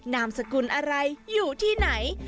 นามสกุลอะไรอยู่ที่ไหน